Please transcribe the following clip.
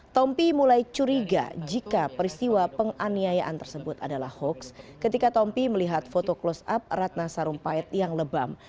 tompi mulai curiga jika peristiwa penganiayaan tersebut adalah hoax ketika tompi melihat foto close up ratna sarumpait yang lebam